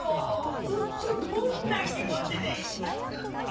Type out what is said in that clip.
ずっとどんな気持ちでいたか。